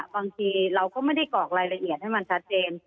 บางทีเราก็ไม่ได้กรอกรายละเอียดให้มันชัดเจน